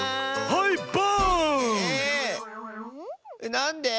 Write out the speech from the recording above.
なんで？